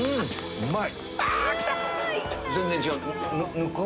うまい！